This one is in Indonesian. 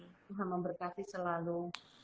tuhan memberkati selalu